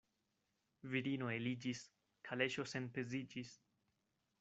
Virino eliĝis, kaleŝo senpeziĝis.